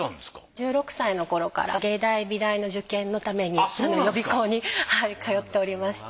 １６歳の頃から芸大美大の受験のために予備校に通っておりまして。